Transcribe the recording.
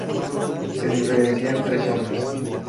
Se diferencian tres zonas.